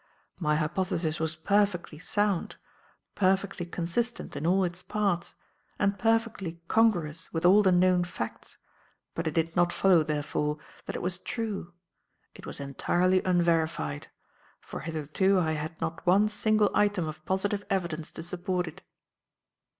My hypothesis was perfectly sound, perfectly consistent in all its parts, and perfectly congruous with all the known facts, but it did not follow therefore that it was true. It was entirely unverified; for hitherto I had not one single item of positive evidence to support it.